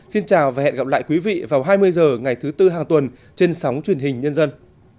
xin chào và hẹn gặp lại quý vị vào hai mươi h ngày thứ tư hàng tuần trên sóng truyền hình nhân dân